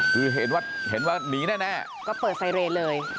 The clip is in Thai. คือเห็นว่าเห็นว่าหนีแน่ก็เปิดไซเรนเลย